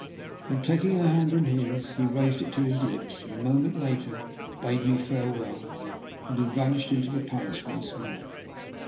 Then taking her hand in his he raised it to his lips, and a moment later had bade me farewell, and had vanished into the palace once more.